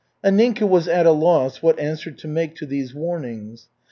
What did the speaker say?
Anninka was at a loss what answer to make to these warnings.